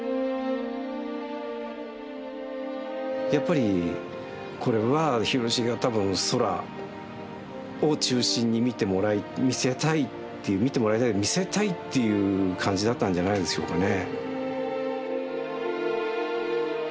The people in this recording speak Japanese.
やっぱりこれは広重は多分空を中心に見てもらい見せたいっていう見てもらいたいより見せたいっていう感じだったんじゃないでしょうかね。